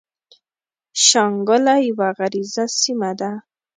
شانګله يوه غريزه سيمه ده ـ